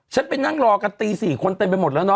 ไปนั่งรอกันตี๔คนเต็มไปหมดแล้วเน